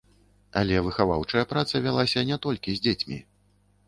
Але выхаваўчая праца вялася не толькі з дзецьмі.